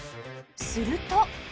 すると